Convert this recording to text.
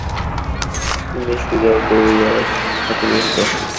তিনি শুজাউদ্দৌলার হাতে নিহত হন।